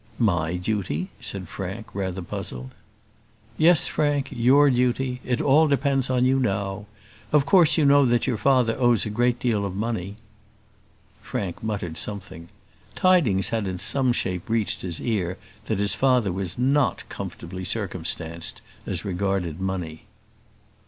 "My duty!" said Frank, rather puzzled. "Yes, Frank, your duty. It all depends on you now. Of course you know that your father owes a great deal of money." Frank muttered something. Tidings had in some shape reached his ear that his father was not comfortably circumstances as regarded money.